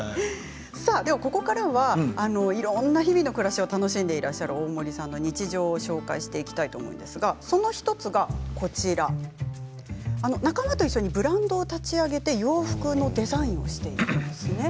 ではここからは、いろんな日々の暮らしを楽しんでいる大森さんの日常を紹介していきたいと思うんですがその１つが仲間と一緒にブランドを立ち上げて洋服のデザインをしているんですね。